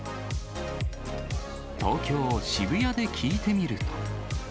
東京・渋谷で聞いてみると。